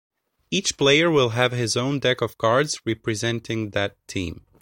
Each player will have his own deck of cards representing that team.